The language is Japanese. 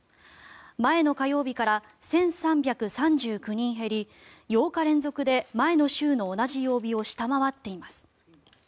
前の火曜日から１３３９人減り８日連続で前の週の同じ曜日を下回っています。